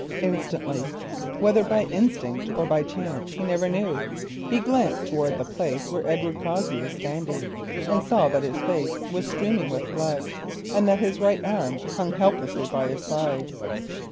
Instantly, whether by instinct or by chance he never knew, he glanced towards the place where Edward Cossey stood, and saw that his face was streaming with blood and that his right arm hung helpless by his side.